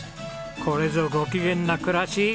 これぞご機嫌な暮らし。